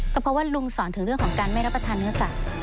ก็เพราะว่าลุงสอนถึงเรื่องของการไม่รับประทานเนื้อสัตว์